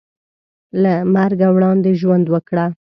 له مرګه وړاندې ژوند وکړه .